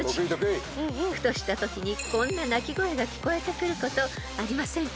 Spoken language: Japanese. ［ふとしたときにこんな鳴き声が聞こえてくることありませんか］